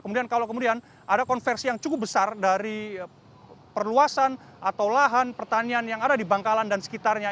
kemudian kalau kemudian ada konversi yang cukup besar dari perluasan atau lahan pertanian yang ada di bangkalan dan sekitarnya